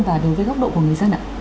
và đối với góc độ của người dân ạ